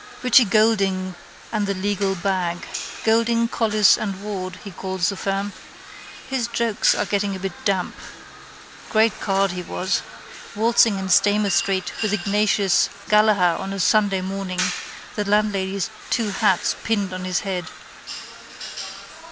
Richie Goulding and the legal bag. Goulding, Collis and Ward he calls the firm. His jokes are getting a bit damp. Great card he was. Waltzing in Stamer street with Ignatius Gallaher on a Sunday morning, the landlady's two hats pinned on his head.